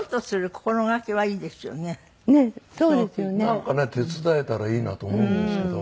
なんかね手伝えたらいいなと思うんですけど。